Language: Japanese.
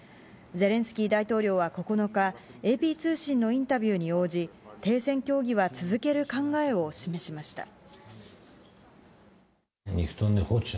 ゼレンスキー大統領は９日、ＡＰ通信のインタビューに応じ、停戦協議は続ける考えを示しました。